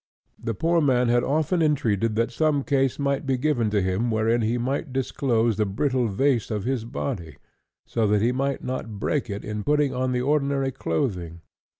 The poor man had often entreated that some case might be given to him wherein he might enclose the brittle vase of his body, so that he might not break it in putting on the ordinary clothing.